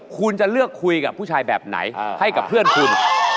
คุณจะเลือกคุยกับผู้ชายแบบไหนให้กับเพื่อนคุณ